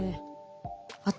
あと